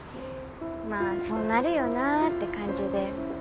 まあそうなるよなって感じで。